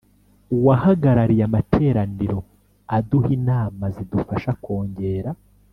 uwahagarariye amateraniro aduha inama zidufasha kongera